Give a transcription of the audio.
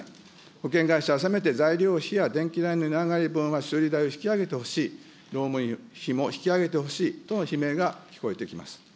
保険会社はせめて材料費や電気代の値上がり分は修理代を引き上げてほしい、労務費も引き上げてほしいとの悲鳴が聞こえてきます。